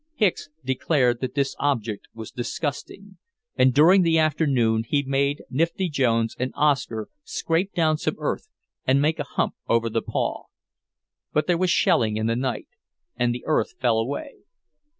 Hicks declared that this object was disgusting, and during the afternoon he made Nifty Jones and Oscar scrape down some earth and make a hump over the paw. But there was shelling in the night, and the earth fell away.